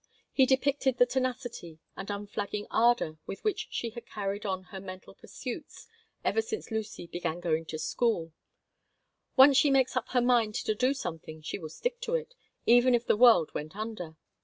He depicted the tenacity and unflagging ardor with which she had carried on her mental pursuits ever since Lucy began to go to school. "Once she makes up her mind to do something she will stick to it, even if the world went under.